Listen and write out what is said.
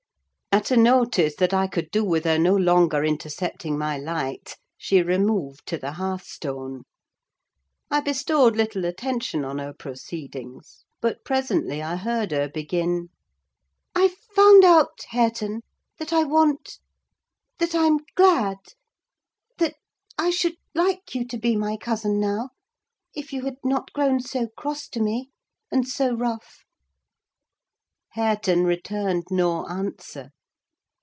At a notice that I could do with her no longer intercepting my light, she removed to the hearthstone. I bestowed little attention on her proceedings, but, presently, I heard her begin—"I've found out, Hareton, that I want—that I'm glad—that I should like you to be my cousin now, if you had not grown so cross to me, and so rough." Hareton returned no answer.